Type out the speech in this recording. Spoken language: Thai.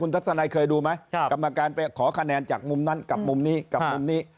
คุณทัศนัยเคยดูไหมครับกรรมการไปขอคะแนนจากมุมนั้นกับมุมนี้